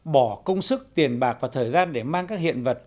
bỏ công sức tiền bạc và thời gian để mang các hiện vật